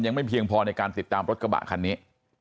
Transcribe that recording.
ยังไม่เพียงพอในการติดตามรถกระบะคันนี้